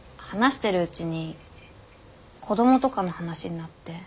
話してるうちに子どもとかの話になって。